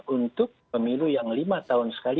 untuk pemilu yang lima tahun sekali